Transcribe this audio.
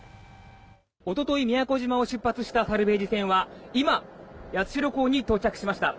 おととい宮古島を出発したサルベージ船は今、八代港に到着しました。